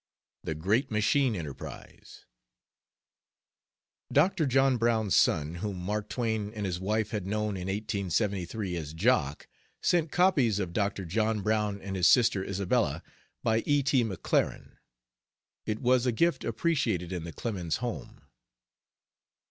THE GREAT MACHINE ENTERPRISE Dr. John Brown's son, whom Mark Twain and his wife had known in 1873 as "Jock," sent copies of Dr. John Brown and His Sister Isabella, by E. T. McLaren. It was a gift appreciated in the Clemens home.